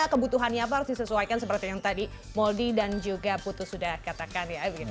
kebutuhannya apa harus disesuaikan seperti yang tadi mouldie dan juga putus sudah katakan